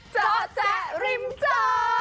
เจ้าแจ๊ะริมเจ้า